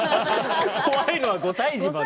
怖いのは５歳児まで。